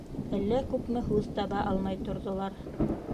Әллә күпме һүҙ таба алмай торҙолар.